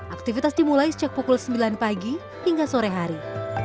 aktivitas dimulai sejak pukul sembilan pagi hingga sore hari